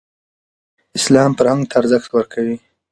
اسلام فرهنګ ته ارزښت ورکوي.